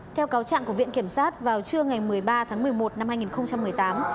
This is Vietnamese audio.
theo cáo trạng của viện kiểm sát vào trưa ngày một mươi ba tháng một mươi một năm hai nghìn một mươi tám